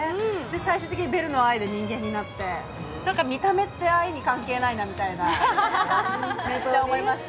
最終的にベルの愛で人間になって見た目って愛に関係ないなってめっちゃ思いました。